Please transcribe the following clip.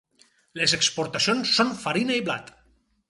Les exportacions són farina i blat.